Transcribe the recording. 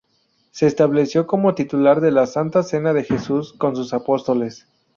Se estableció como titular la Santa Cena de Jesús con sus apóstoles.